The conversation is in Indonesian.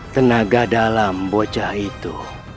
tenaga dalam bocah itu